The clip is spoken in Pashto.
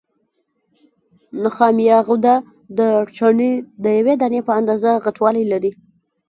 نخامیه غده د چڼې د یوې دانې په اندازه غټوالی لري.